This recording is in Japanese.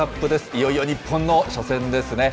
いよいよ、日本の初戦ですね。